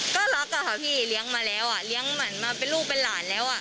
ก็รักอะค่ะพี่เลี้ยงมาแล้วเลี้ยงเหมือนมาเป็นลูกเป็นหลานแล้ว